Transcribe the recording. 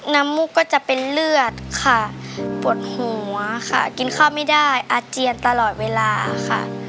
มูกก็จะเป็นเลือดค่ะปวดหัวค่ะกินข้าวไม่ได้อาเจียนตลอดเวลาค่ะ